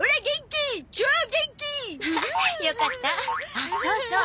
あっそうそう。